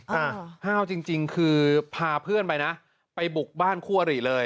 ห้าวจริงจริงคือพาเพื่อนไปนะไปบุกบ้านคู่อริเลย